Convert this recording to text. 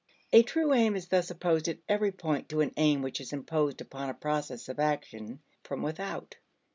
A true aim is thus opposed at every point to an aim which is imposed upon a process of action from without.